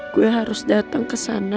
gue harus datang ke sana